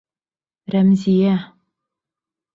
Рәмзиә!